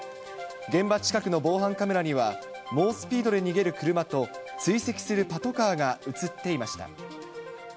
現場近くの防犯カメラには、猛スピードで逃げる車と、追跡するパトカーが写っていました。